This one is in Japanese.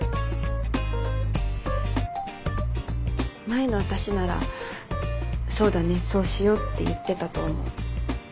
前の私ならそうだねそうしようって言ってたと思う。